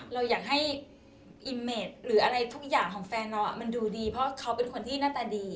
เราอยากให้สุดรู้ซักอย่างให้ดูดีเพราะเขาเป็นคนหน้าตาดี